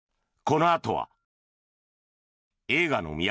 このあとは映画の都